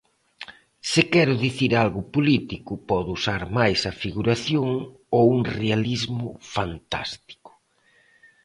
Se quero dicir algo político, podo usar máis a figuración ou un realismo fantástico.